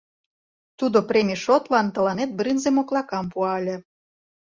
Тудо премий шотлан тыланет брынзе моклакам пуа ыле.